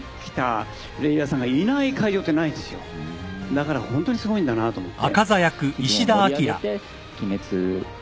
だからホントにすごいんだなと思って。